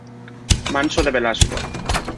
Manso de Velasco.